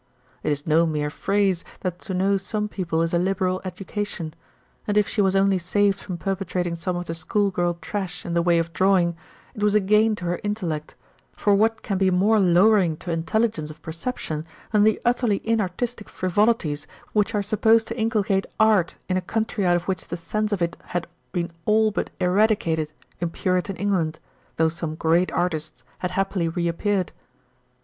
It is no mere phrase that to know some people is a liberal education ; and if she wras only saved from perpetrating some of the school girl trash in the way of drawing, it was a gain to GIRLHOOD PATERNAL TROUBLES. 33 her intellect, for what can be more lowering to intelligence of perception than the utterly inartistic frivolities which are supposed to inculcate art in a country out of which the sense of it had been all but eradicated in Puritan England, though some great artists had happily reappeared